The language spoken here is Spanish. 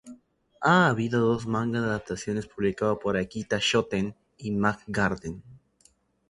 Ha habido dos manga de adaptaciones publicado por Akita Shoten y Mag Garden.